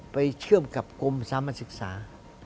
เชื่อมกับกรมสามัญศึกษา